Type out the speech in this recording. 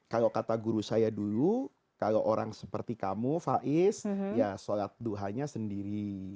kalau kata guru saya dulu kalau orang seperti kamu faiz ya sholat duhanya sendiri